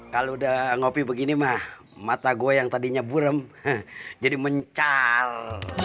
kalau udah ngopi begini mah mata gue yang tadinya burem jadi mencal